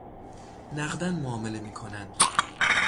نقداً معامله می کنند